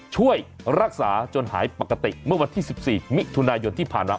ช่วยรักษาจนหายปกติเมื่อวันที่๑๔มิถุนายนที่ผ่านมา